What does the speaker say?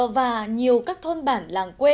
và nhiều các thôn bản làng quê